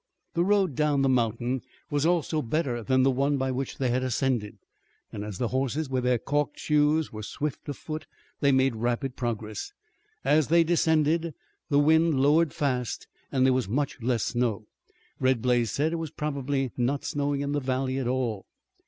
The road down the mountain was also better than the one by which they had ascended, and as the horses with their calked shoes were swift of foot they made rapid progress. As they descended, the wind lowered fast and there was much less snow. Red Blaze said it was probably not snowing in the valley at all.